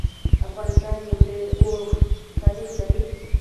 افغانستان يو ډير اوږد تاريخ لري.